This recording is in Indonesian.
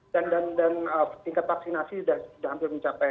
dan tingkat vaksinasi sudah hampir mencapai